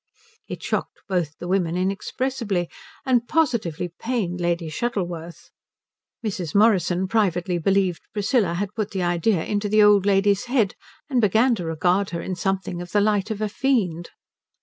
It shocked both the women inexpressibly, and positively pained Lady Shuttleworth. Mrs. Morrison privately believed Priscilla had put the idea into the old lady's head, and began to regard her in something of the light of a fiend.